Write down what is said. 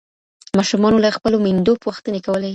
ماشومانو له خپلو میندو پوښتني کولي.